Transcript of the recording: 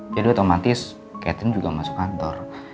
jadi otomatis ketia juga masuk kantor